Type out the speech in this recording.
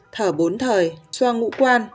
thở bốn thời xoa ngũ quan